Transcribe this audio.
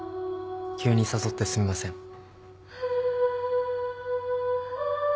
急に誘ってすみません。